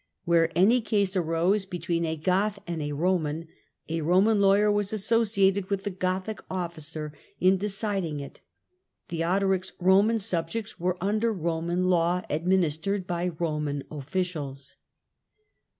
Where any case arose between a Goth and a Eoman a Eoman lawyer was associated with the Gothic officer in deciding it. Theodoric's Roman subjects were under Roman law administered by Roman officials.